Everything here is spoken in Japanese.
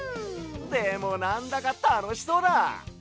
でもなんだかたのしそうだ！